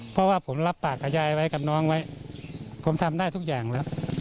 เพราะว่าผมรับปากกับยายไว้กับน้องไว้ผมทำได้ทุกอย่างแล้ว